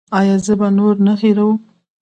ایا زه به نور نه هیروم؟